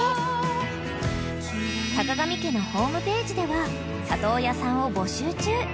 ［さかがみ家のホームページでは里親さんを募集中］